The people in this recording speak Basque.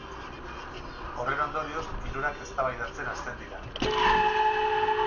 Horren ondorioz hirurak eztabaidatzen hasten dira.